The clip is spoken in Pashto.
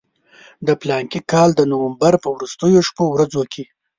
د فلاني کال د نومبر په وروستیو شپو ورځو کې.